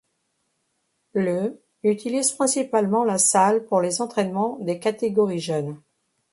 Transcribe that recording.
Le utilise principalement la salle pour les entraînements des catégories jeunes.